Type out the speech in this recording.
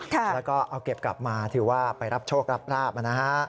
แล้วก็เอาเก็บกลับมาถือว่าไปรับโชครับราบนะฮะ